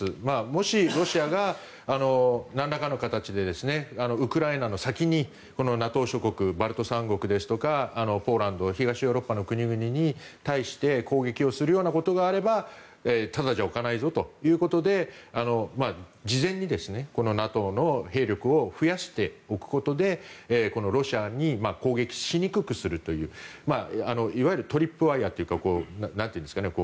もしロシアがなんらかの形でウクライナの先にＮＡＴＯ諸国バルト三国ですとかポーランド東ヨーロッパの国々に攻撃をするようなことがあればただじゃおかないぞということで事前にこのＮＡＴＯの兵力を増やしておくことでロシアに攻撃しにくくするといういわゆるトリップワイヤというかなんというんですかね